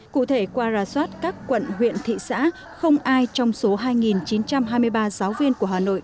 cụ thể qua ra soát các quận huyện thị xã không ai trong số hai chín trăm hai mươi ba giáo viên của hà nội